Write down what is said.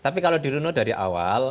tapi kalau di runo dari awal